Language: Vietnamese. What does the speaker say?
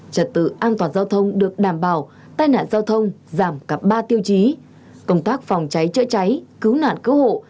trật tự an toàn giao thông được đảm bảo tai nạn giao thông giảm cả ba tiêu chí công tác phòng cháy chữa cháy cứu nạn cứu hộ